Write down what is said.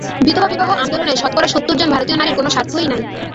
বিধবাবিবাহ-আন্দোলনে শতকরা সত্তর জন ভারতীয় নারীর কোন স্বার্থই নাই।